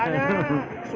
tapi itulah tanda tanda